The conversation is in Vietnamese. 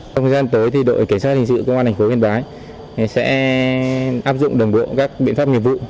trong thời gian tới thì đội cảnh sát hình sự công an thành phố yên bái sẽ áp dụng đồng bộ các biện pháp nghiệp vụ